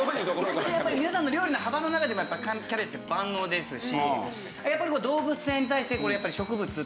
一番やっぱり皆さんの料理の幅の中でもキャベツって万能ですしやっぱり動物性に対して植物っていうね